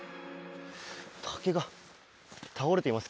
竹が倒れています。